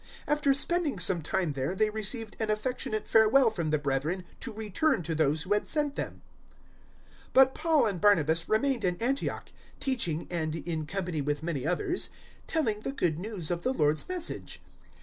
015:033 After spending some time there they received an affectionate farewell from the brethren to return to those who had sent them. 015:034 [] 015:035 But Paul and Barnabas remained in Antioch, teaching and, in company with many others, telling the Good News of the Lord's Message.